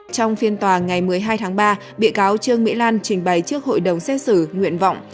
trong phiên tòa ngày một mươi hai tháng ba bị cáo trương mỹ lan trình bày trước hội đồng xét xử nguyện vọng